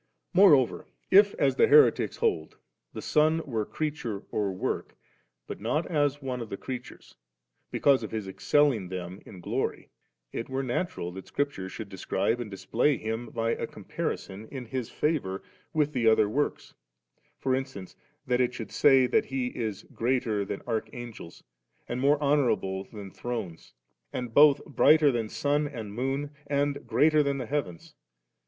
Moreover if^ as the heretics hold, the Son were creature at work, but not as one of the creatures, because of His excelling them in glory, it were natural that Scripture should describe and display Him by a comparison in His favour with the other woiks ; for instance, that it should say that He is greater than Arch angels, and more honourable than the Thrones, and both brighter than sun and moon, and greater than the heavens.